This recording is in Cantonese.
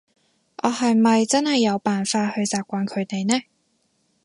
我係咪真係有辦法去習慣佢哋呢？